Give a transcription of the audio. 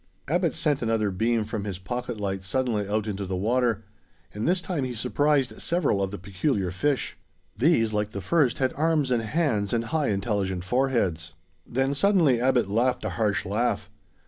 Abbot sent another beam from his pocket light suddenly out into the water; and this time he surprised several of the peculiar fish. These, like the first, had arms and hands and high intelligent foreheads. Then suddenly Abbot laughed a harsh laugh.